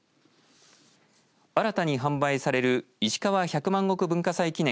新たに販売されるいしかわ百万石文化祭記念